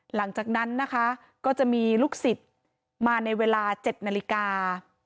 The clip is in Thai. หลังจากนั้นนะคะก็จะมีลูกศิษย์มาในเวลา๗นาฬิกา